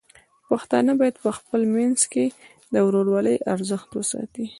پښتانه بايد په خپل منځ کې د ورورولۍ ارزښت وساتي.